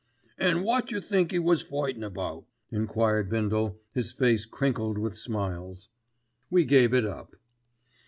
"An' wot jer think 'e was fighting about?" enquired Bindle, his face crinkled with smiles. We gave it up.